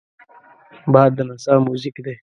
باد د نڅا موزیک دی